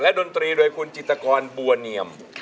ดนตรีโดยคุณจิตกรบัวเนียม